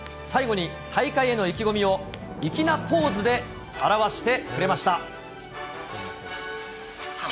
最後に大会への意気込みを粋なポーズで表わしてくれました。